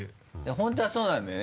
本当はそうなんだよね